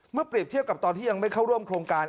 เปรียบเทียบกับตอนที่ยังไม่เข้าร่วมโครงการ